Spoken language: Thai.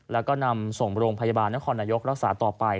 แล้วก็นำส่งโรงพยาบาลนครนายกรักษาต่อไป